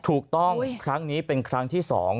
ถูกต้องครั้งนี้เป็นครั้งที่๒